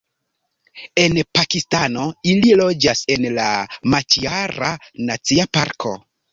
En Pakistano ili loĝas en la Maĉiara Nacia Parko.